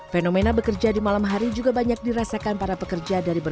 fenomena bekerja di malam hari juga banyak dirasakan para pekerja dari berbagai